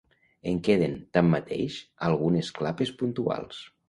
En queden, tanmateix, algunes clapes puntuals.